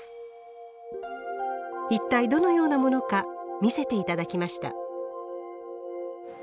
一体どのようなものか見せて頂きました。